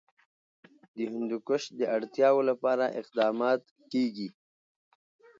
د هندوکش د اړتیاوو لپاره اقدامات کېږي.